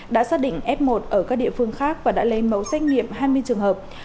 đã xác định f một ở các địa phương khác và đã lấy mẫu xét nghiệm hai mươi trường hợp